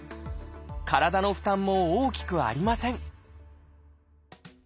体の負担も大きくありません